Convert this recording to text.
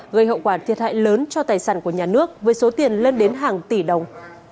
gây hậu quả thiệt hại lớn cho tài sản của nhà nước với số tiền lên đến hàng tỷ đồng